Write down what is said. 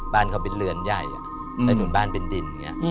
บ้านเขาเป็นเรือนใหญ่ใต้ถุนบ้านเป็นดิน